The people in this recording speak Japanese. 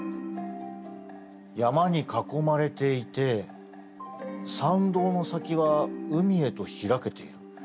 山に囲まれていて参道の先は海へと開けている。